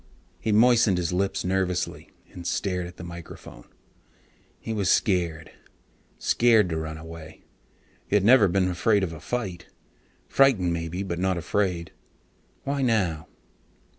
He moistened his lips nervously and stared at the microphone. He was scared. Scared to run away. He had never been afraid of a fight, frightened maybe, but not afraid. Why now?